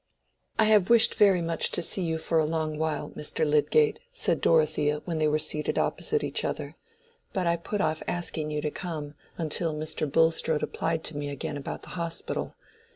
"I have wished very much to see you for a long while, Mr. Lydgate," said Dorothea when they were seated opposite each other; "but I put off asking you to come until Mr. Bulstrode applied to me again about the Hospital.